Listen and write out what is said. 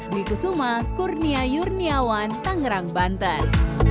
dikusuma kurnia yurniawan tangerang banten